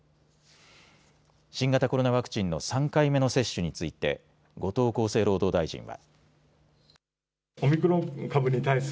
新型コロナワクチンの３回目の接種について後藤厚生労働大臣は。